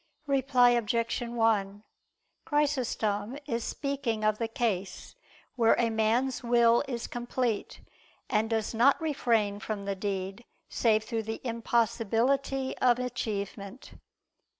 Reply Obj. 1: Chrysostom is speaking of the case where a man's will is complete, and does not refrain from the deed save through the impossibility of achievement.